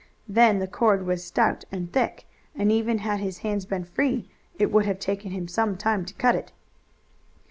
Then the cord was stout and thick, and even had his hands been free it would have taken him some time to cut it.